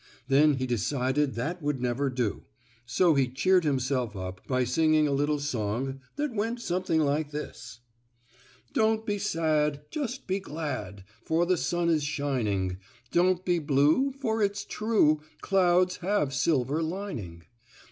Then he decided that would never do, so he cheered himself up by singing a little song that went something like this: "Don't be sad, Just be glad, For the sun is shining. Don't be blue, For it's true Clouds have silver lining.